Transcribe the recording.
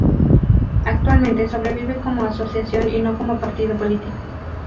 Actualmente sobrevive como asociación y no como partido político.